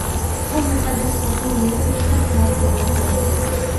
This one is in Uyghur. بۇ مۇقەددەس تاشنى نۇرغۇن كىشىلەر تاۋاپ قىلغىلى كېلەتتى.